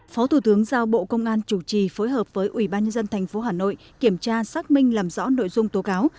phó thủ tướng giao bộ công an chủ trì phối hợp với ủy ban nhân dân tp hà nội kiểm tra xác minh làm rõ nội dung tố cáo